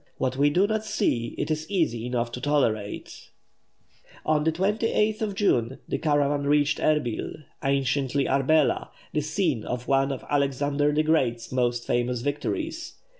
What we do not see, it is easy enough to tolerate. On the 28th of June the caravan reached Erbil, anciently Arbela, the scene of one of Alexander the Great's most famous victories.